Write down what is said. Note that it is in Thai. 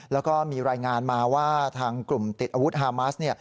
แล้วก็มีรายงานมาว่าทางกลุ่มติดอาวุธฮามัส